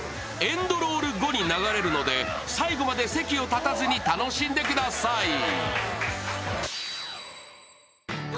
エンドロール後に流れるので最後まで席を立たずに楽しんでください。